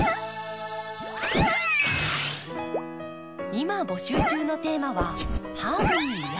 今募集中のテーマは「ハーブに癒やされて」。